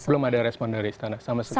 belum ada respon dari istana